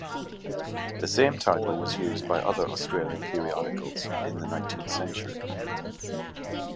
The same title was used by other Australian periodicals in the nineteenth century.